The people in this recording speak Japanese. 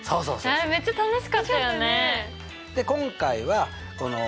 あれめっちゃ楽しかったよね！